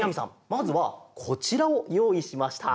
まずはこちらをよういしました。